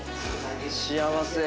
幸せ！